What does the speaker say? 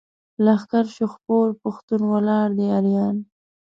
لښکر شو خپور پښتون ولاړ دی اریان.